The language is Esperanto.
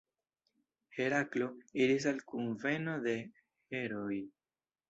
Heraklo iris al kunveno de herooj.